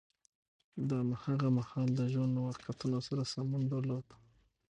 د هماغه مهال د ژوند له واقعیتونو سره سمون درلود.